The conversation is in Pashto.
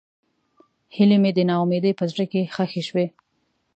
هیلې مې د نا امیدۍ په زړه کې ښخې شوې.